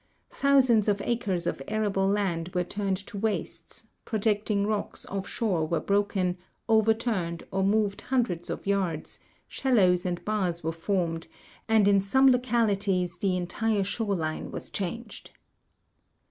Thousands of acres of arable land were turned to wastes, projecting rocks offshore were broken, overturned, or moved hundreds of }airds, shallows and bars were formed, and in some localities the entire shoreline was changed.